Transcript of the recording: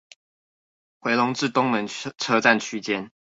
迴龍至東門車站區間